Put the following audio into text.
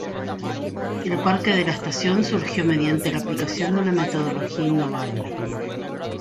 El Parque de la Estación surgió mediante la aplicación de una metodología innovadora.